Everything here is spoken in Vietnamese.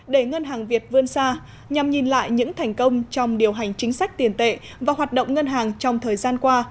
để ngân hàng việt vươn xa nhằm nhìn lại những thành công trong điều hành chính sách tiền tệ và hoạt động ngân hàng trong thời gian qua